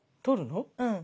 うん。